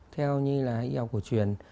theo như là ý học của truyền